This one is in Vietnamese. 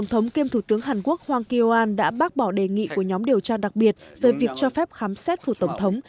tổng kiêm thủ tướng hàn quốc hwang kyo an đã bác bỏ đề nghị của nhóm điều tra đặc biệt về việc cho phép khám xét phủ tổng thống